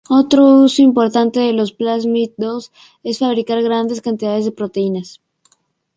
Otro uso importante de los plásmidos es fabricar grandes cantidades de proteínas.